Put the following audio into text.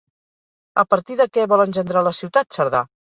A partir de què vol engendrar la ciutat Cerdà?